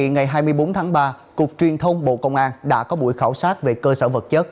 ngày hai mươi bốn tháng ba cục truyền thông bộ công an đã có buổi khảo sát về cơ sở vật chất